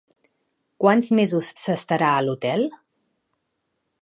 Quants mesos s'estarà a l'hotel?